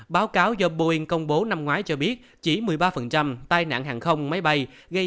báo cáo do boeing công bố năm ngoái cho biết chỉ một mươi ba tai nạn hàng không máy bay gây